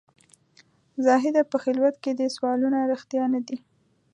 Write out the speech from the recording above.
زاهده په خلوت کې دي سوالونه رښتیا نه دي.